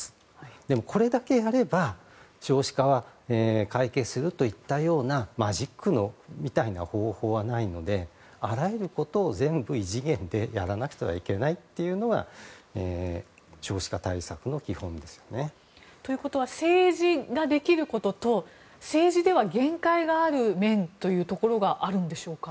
でも、これだけやれば少子化は解決するといったようなマジックみたいな方法はないのであらゆることを全部、異次元でやらなくてはいけないというのが少子化対策の基本ですよね。ということは政治ができることと政治では限界がある面があるんでしょうか？